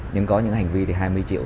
nhưng có những hành vi thì hai mươi triệu